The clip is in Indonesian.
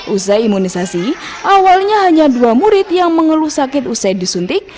usai imunisasi awalnya hanya dua murid yang mengeluh sakit usai disuntik